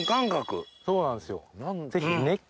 そうなんですよ。